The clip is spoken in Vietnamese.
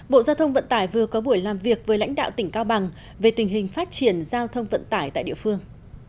bộ giao thông vận tải vừa có buổi làm việc với lãnh đạo tỉnh cao bằng về tình hình phát triển giao thông vận tải tại địa phương